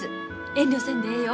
遠慮せんでええよ。